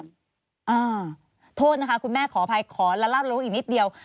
โทษนะคะคุณแม่ขออภัยขอละลาบล้งอีกนิดเดียว